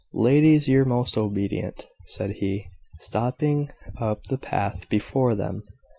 "Ladies, your most obedient!" said he, stopping up the path before them.